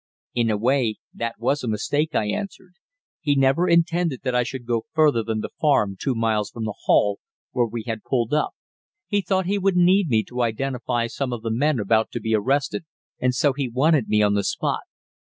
"In a way that was a mistake," I answered. "He never intended that I should go further than the farm two miles from the Hall, where we had pulled up. He thought he would need me to identify some of the men about to be arrested, and so he wanted me on the spot.